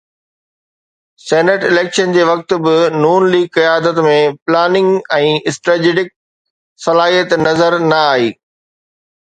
Senate election جي وقت به ن ليگ قيادت ۾ پلاننگ ۽ اسٽريٽجڪ صلاحيت نظر نه آئي.